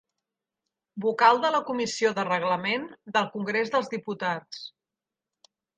Vocal de la Comissió de Reglament del Congrés dels Diputats.